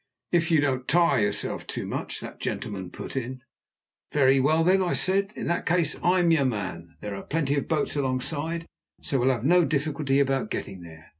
"If you don't tire yourself too much," that gentleman put in. "Very well, then," I said. "In that case I'm your man. There are plenty of boats alongside, so we'll have no difficulty about getting there.